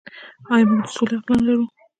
آیا موږ د سولې حق نلرو؟